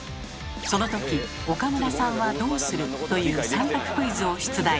そのとき岡村さんはどうする？という３択クイズを出題。